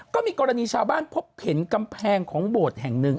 ก็มีกรณีชาวบ้านพบเห็นกำแพงของโบสถ์แห่งหนึ่ง